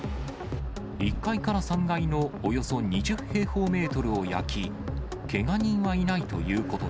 １階から３階のおよそ２０平方メートルを焼き、けが人はいないと